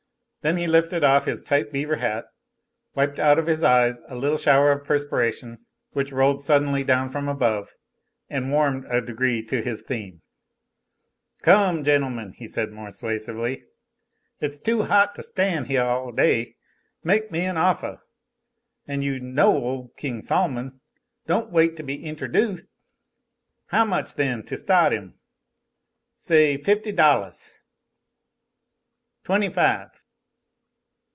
Then he lifted off his tight beaver hat, wiped out of his eyes a little shower of perspiration which rolled suddenly down from above, and warmed a degree to his theme. "Come, gentlemen," he said more suasively, "it's too hot to stan' heah all day. Make me an offah! You all know ole King Sol'mon; don't wait to be interduced. How much, then, to staht 'im? Say fifty dollahs! Twenty five!